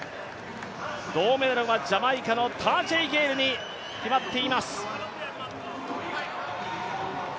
銅メダルはジャマイカのタージェイ・ゲイルに決まっています。